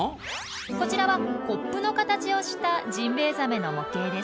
こちらはコップの形をしたジンベエザメの模型です。